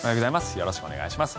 よろしくお願いします。